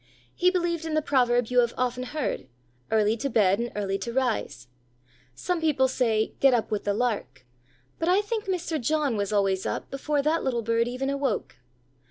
He believed in the proverb you have often heard: "Early to bed and early to rise." Some people say: "Get up with the lark," but I think Mr. John was always up before that little bird even awoke.